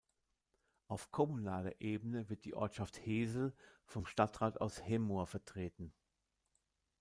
Auf kommunaler Ebene wird die Ortschaft Heeßel vom Stadtrat aus Hemmoor vertreten.